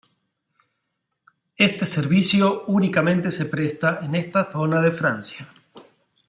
Este servicio únicamente se presta en esta zona de Francia.